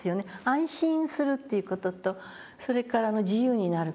安心するという事とそれから自由になる事ね。